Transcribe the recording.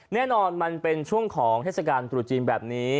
แน่นอนมันเป็นช่วงของเทศกาลตรุษจีนแบบนี้